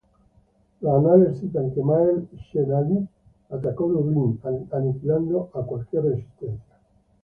Los anales citan que Máel Sechnaill atacó Dublín, aniquilando cualquier resistencia.